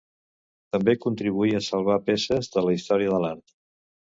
També contribuí a salvar peces de la història de l'art.